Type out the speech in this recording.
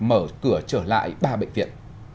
mở cửa trở lại ba bệnh viện